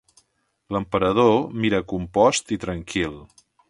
L'emperador mira compost i tranquil.